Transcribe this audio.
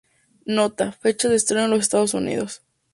Nota: Fecha de estreno en los Estados Unidos.